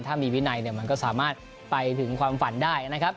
ถ้ามีวินัยเนี่ยมันก็สามารถไปถึงความฝันได้นะครับ